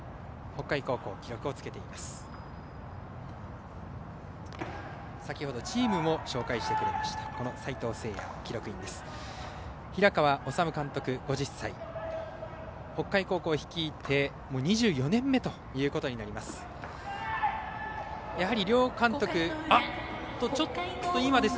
北海高校を率いてもう２４年目ということになります。